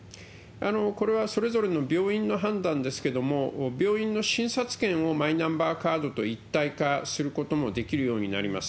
これはそれぞれの病院の判断ですけれども、病院の診察券をマイナンバーカードと一体化することもできるようになります。